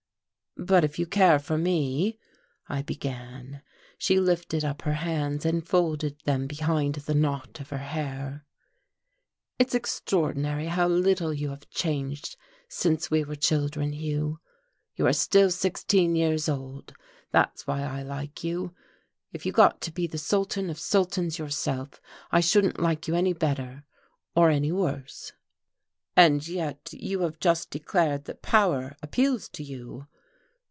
"But if you care for me ?" I began. She lifted up her hands and folded them behind the knot of her hair. "It's extraordinary how little you have changed since we were children, Hugh. You are still sixteen years old, that's why I like you. If you got to be the sultan of sultans yourself, I shouldn't like you any better, or any worse." "And yet you have just declared that power appeals to you!"